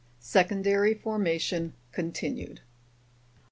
(Secondary Formation Continued.)